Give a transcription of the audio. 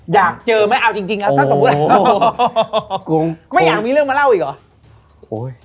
อยากเจอไม่เอาจริงไม่อยากมีเรื่องมาเล่าอีกหรอ